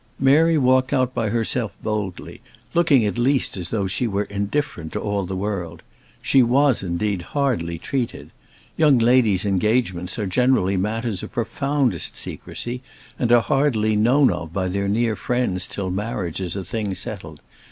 Mary walked out by herself boldly, looking at least as though she were indifferent to all the world. She was, indeed, hardly treated. Young ladies' engagements are generally matters of profoundest secrecy, and are hardly known of by their near friends till marriage is a thing settled.